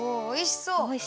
おいしそう。